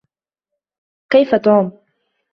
كيف توم ؟